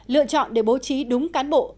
lựa chọn để bố trí đúng cán bộ